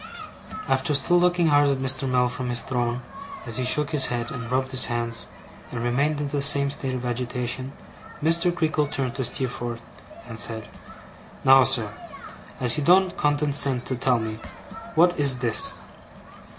After still looking hard at Mr. Mell from his throne, as he shook his head, and rubbed his hands, and remained in the same state of agitation, Mr. Creakle turned to Steerforth, and said: 'Now, sir, as he don't condescend to tell me, what is this?